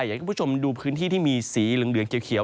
อย่างที่คุณผู้ชมดูพื้นที่ที่มีสีเหลืองเดือนเกี่ยวเขียว